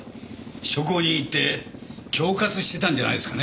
証拠を握って恐喝してたんじゃないですかね。